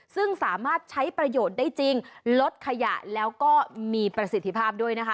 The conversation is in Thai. ซึ่งสามารถใช้ประโยชน์ได้จริงลดขยะแล้วก็มีประสิทธิภาพด้วยนะคะ